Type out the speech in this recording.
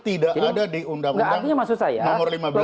tidak ada di undang undang nomor lima belas